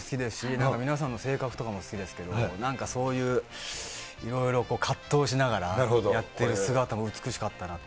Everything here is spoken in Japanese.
なんか皆さんの性格とかも好きですけど、なんかそういう、いろいろ葛藤しながらやってる姿も美しかったなと。